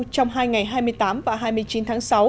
trong hai ngày hai mươi tám và hai mươi chín tháng sáu